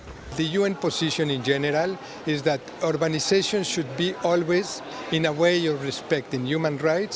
pembangunan harus untuk semua